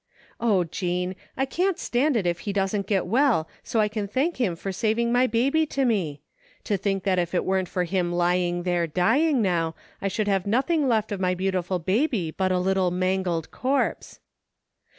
Oh, Jean, I can't stand it if he doesn't get well so I can thank him for saving my baby to me. To think that if it weren't for him lying there dying now I should have 264 THE FINDING OF JASPER HOLT nothing left of my beautiful baby but a little mangled corpse!